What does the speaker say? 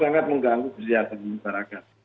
sangat mengganggu kesejahteraan masyarakat